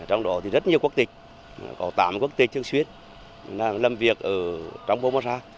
trong đó thì rất nhiều quốc tịch có tám quốc tịch trước suyết làm việc trong bộ mô sát